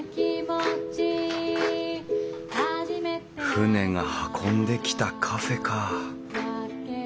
船が運んできたカフェか。